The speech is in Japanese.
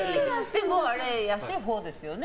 でも安いほうですよね。